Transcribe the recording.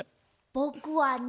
ぼくはね。